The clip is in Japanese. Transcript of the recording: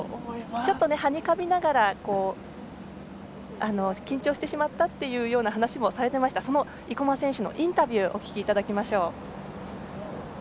ちょっと、はにかみながら緊張してしまったというような話もされていました生馬選手のインタビューです。